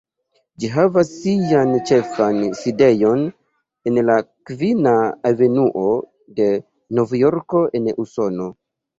Ĝi havas sian ĉefan sidejon en la Kvina Avenuo de Novjorko en Usono.